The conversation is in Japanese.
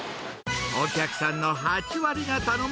お客さんの８割が頼む